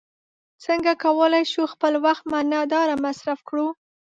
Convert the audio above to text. څنګه کولی شو خپل وخت معنا داره مصرف کړو.